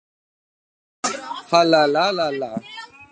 V nesrečnih dneh se zdi celo mleko grenko.